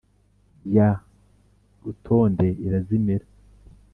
ya rutonde irazimira